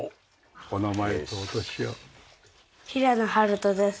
平野温人です。